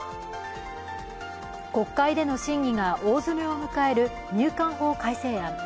国会での審議が大詰めを迎える入管法改正案。